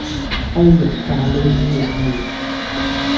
雞肉咖哩烏龍麵